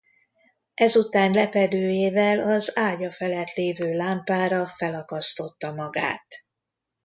Ezután lepedőjével az ágya felett lévő lámpára felakasztotta magát.